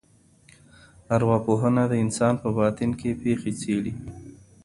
ارواپوهنه د انسان په باطن کي پېښي څېړي.